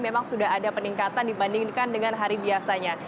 memang sudah ada peningkatan dibandingkan dengan hari biasanya